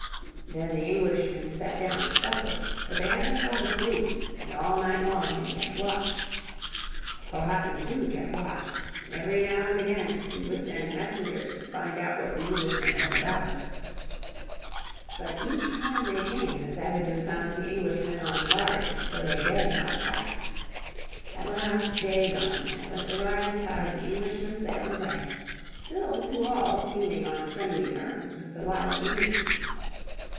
Then the Englishmen sat down to supper; but they had no thought of sleep and all night long they kept watch. Powhatan too kept watch, and every now and again he would send messengers to find out what the Englishmen were about. But each time they came the savages found the Englishmen on guard, so they dared not attack. At last day dawned, and with the rising tide the Englishmen sailed away, still to all seeming on friendly terms with the wily Indians.